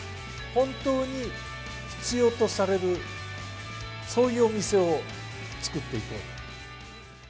本当に必要とされる、そういうお店を作っていこうと。